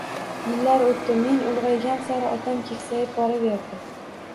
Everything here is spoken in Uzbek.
Yillar oʻtdi, men ulgʻaygan sari otam keksayib boraverdi